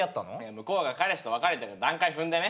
向こうが彼氏と別れて段階踏んでね。